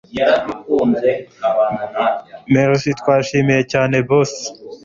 merci twashimye cyane boss